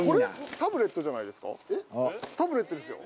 タブレットですよ。